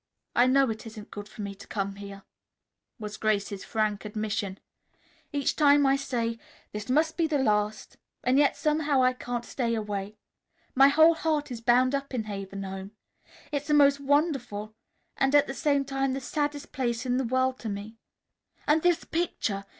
"I know it isn't good for me to come here," was Grace's frank admission. "Each time I say, 'This must be the last,' and yet somehow I can't stay away. My whole heart is bound up in Haven Home. It's the most wonderful and at the same time the saddest place in the world to me. And this picture!